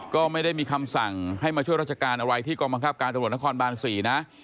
ก็ไม่ได้มีคำสั่งให้มาช่วยราชการอะไรที่กองบังคับการตำรวจนครบาน๔นะ